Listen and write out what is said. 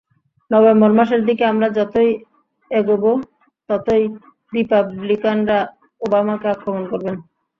November মাসের দিকে আমরা যতই এগোব, ততই রিপাবলিকানরা ওবামাকে আক্রমণ করবেন।